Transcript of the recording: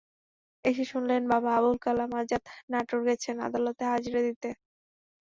এসে শুনলেন বাবা আবুল কালাম আজাদ নাটোর গেছেন আদালতে হাজিরা দিতে।